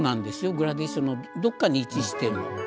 グラデーションのどこかに位置しているの。